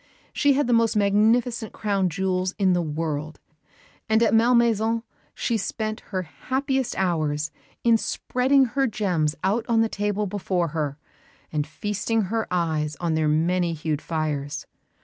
She had the most magnificent crown jewels in the world; and at Malmaison she spent her happiest hours in spreading her gems out on the table before her, and feasting her eyes on their many hued fires.